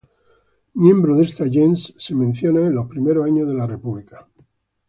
Miembros de esta "gens" se mencionan en los primeros años de la República.